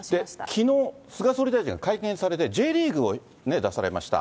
きのう、菅総理大臣が会見されて、Ｊリーグをね、出されました。